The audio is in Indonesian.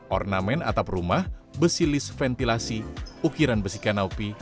ornamen atap rumah besilis ventilasi ukiran besikan naupi